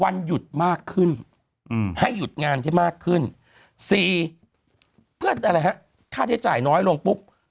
ดูดูนะฮะค่าใช้จ่ายน้อยลงปุ๊บ